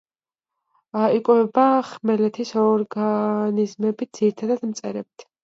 იკვებება ხმელეთის ორგანიზმებით, ძირითადად მწერებით.